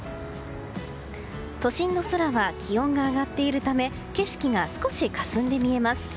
都心の空は気温が上がっているため景色が少しかすんで見えます。